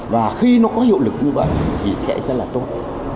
và khi nó có hiệu lực như vậy thì sẽ là tốt